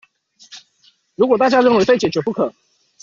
如果大家認為非解決不可